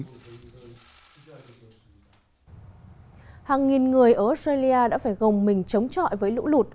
hàng nghìn người ở australia đã phải gồng mình chống chọi với lũ lụt